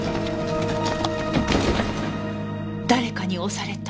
誰かに押された。